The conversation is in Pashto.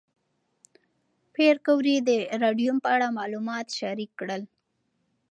پېیر کوري د راډیوم په اړه معلومات شریک کړل.